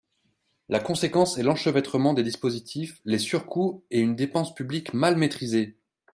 La conséquence est l’enchevêtrement des dispositifs, les surcoûts et une dépense publique mal maîtrisée.